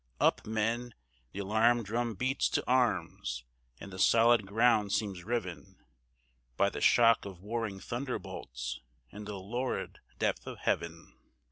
Up, men! the alarm drum beats to arms! and the solid ground seems riven By the shock of warring thunderbolts in the lurid depth of heaven!